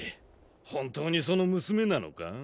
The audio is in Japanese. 本当にその娘なのか？